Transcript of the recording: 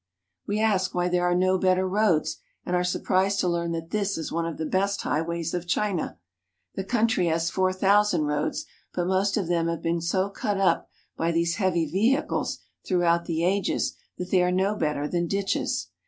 We ask why there are no better roads, and are surprised to learn that this is one of the best highways of China. The country has four thousand roads, but most of them have been so cut up by these heavy vehicles throughout the ages that they are no better than ditches.